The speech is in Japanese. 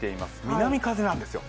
南風なんですよ。